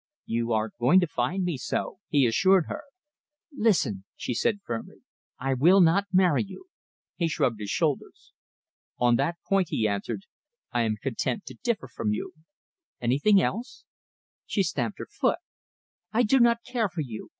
"You are going to find me so," he assured her. "Listen," she said firmly, "I will not marry you!" He shrugged his shoulders. "On that point," he answered, "I am content to differ from you. Anything else?" She stamped her foot. "I do not care for you!